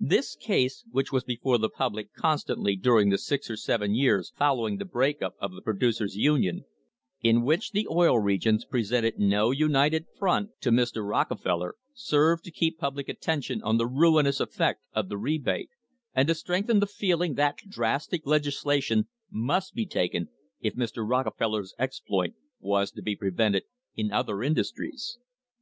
This case, which was before the public constantly during the six or seven years following the breaking up of the Pro ducers' Union, in which the Oil Regions presented no united * Ohio State Reports, 43, pages 571 623. BURST IN A PIPE LINE THE WAR ON THE REBATE front to Mr. Rockefeller, served to keep public attention on the ruinous effect of the rebate and to strengthen the feeling that drastic legislation must be taken if Mr. Rockefeller's exploit was to be prevented in other industries.